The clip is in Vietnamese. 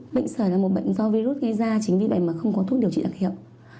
bệnh sởi là một bệnh do virus gây ra chính vì vậy mà không có thuốc điều trị đặc hiệu